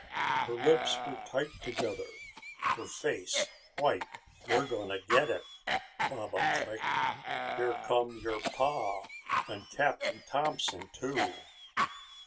Her lips were tight together, her face white. "You're going to get it," Baba clicked. "Here come your pa and Captain Thompson, too."